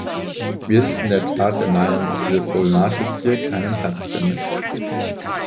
Wir sind in der Tat der Meinung, dass diese Problematik hier keinen Platz findet.